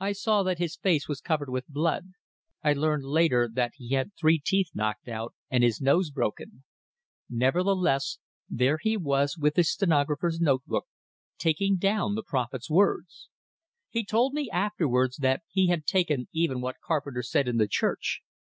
I saw that his face was covered with blood; I learned later that he had three teeth knocked out, and his nose broken. Nevertheless, there he was with his stenographer's notebook, taking down the prophet's words. He told me afterwards that he had taken even what Carpenter said in the church.